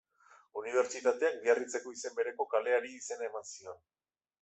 Unibertsitateak Biarritzeko izen bereko kaleari izena eman zion.